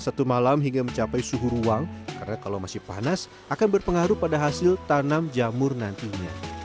satu malam hingga mencapai suhu ruang karena kalau masih panas akan berpengaruh pada hasil tanam jamur nantinya